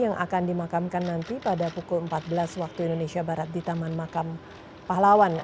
yang akan dimakamkan nanti pada pukul empat belas waktu indonesia barat di taman makam pahlawan